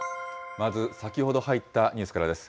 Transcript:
まず先ほど入ったニュースからです。